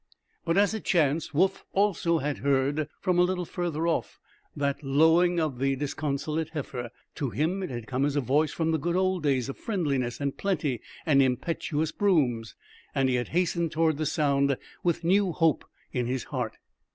But, as it chanced, Woof also had heard, from a little further off, that lowing of the disconsolate heifer. To him it had come as a voice from the good old days of friendliness and plenty and impetuous brooms, and he had hastened toward the sound with new hope in his heart.